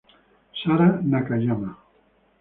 Sara Nakayama